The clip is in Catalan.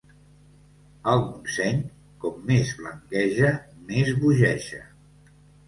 El Montseny, com més blanqueja, més bogeja.